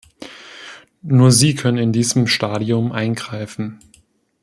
Nur sie können in diesem Stadium eingreifen.